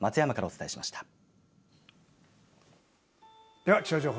では気象情報